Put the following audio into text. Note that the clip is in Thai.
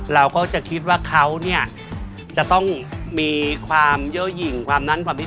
เราก็จะคิดว่าเขาเนี่ยจะต้องมีความเยี่ยวหญิงความนั้นความพิษ